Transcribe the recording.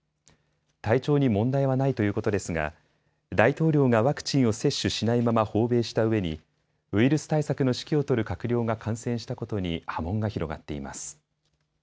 体調に問題はないということですが大統領がワクチンを接種しないまま訪米したうえにウイルス対策の指揮を執る閣僚が感染したことに波紋が広がっています。